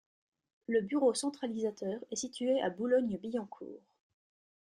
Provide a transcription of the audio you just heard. Le bureau centralisateur est situé à Boulogne-Billancourt.